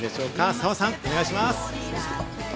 澤さん、お願いします。